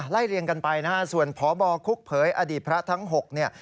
เรียงกันไปนะฮะส่วนพบคุกเผยอดีตพระทั้ง๖เนี่ย